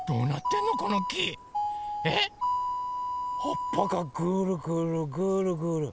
えっ⁉はっぱがぐるぐるぐるぐる。